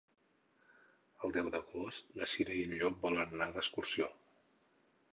El deu d'agost na Cira i en Llop volen anar d'excursió.